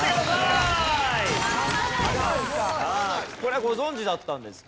これはご存じだったんですか？